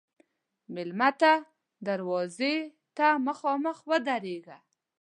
مېلمه ته دروازې ته مخامخ ودریږه.